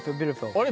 あれ？